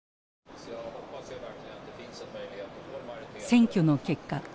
選挙の結果